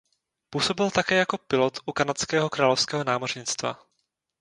Působil také jako pilot u Kanadského královského námořnictva.